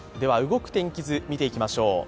動く天気図、見ていきましょう。